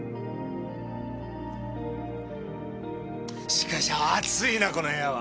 しかし暑いなこの部屋は！